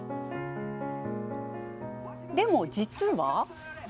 でも実は。